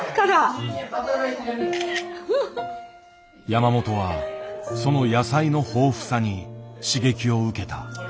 山本はその野菜の豊富さに刺激を受けた。